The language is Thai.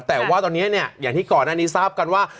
แต่ว่าตอนนี้เนี่ยอย่างที่ก่อนหน้านี้ทราบกันว่า